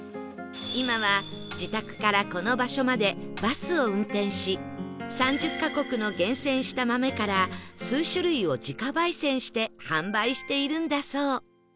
今は自宅からこの場所までバスを運転し３０カ国の厳選した豆から数種類を自家焙煎して販売しているんだそう